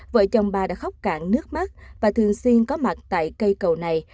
vợ chồng ba đã khóc cạn nước mắt và thường xuyên có mặt tại cây cầu này